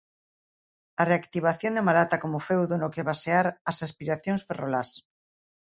A reactivación da Malata como feudo no que basear as aspiracións ferrolás.